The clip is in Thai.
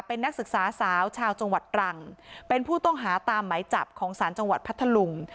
เป็นนักศึกษาสาวชาวจังหวัดตรังเป็นผู้ต้องหาตามไหมจับของศาลจังหวัดพัทธลุง